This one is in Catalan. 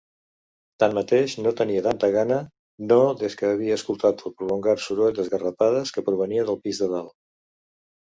Tanmateix, no tenia tanta gana, no des que havia escoltat el prolongat soroll d'esgarrapades que provenia del pis de dalt.